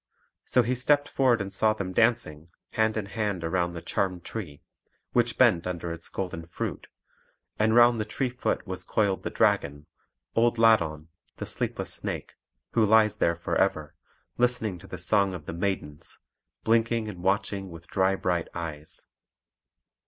So he stepped forward and saw them dancing, hand in hand around the charmed tree, which bent under its golden fruit; and round the tree foot was coiled the dragon, old Ladon the sleepless snake, who lies there for ever, listening to the song of the maidens, blinking and watching with dry bright eyes.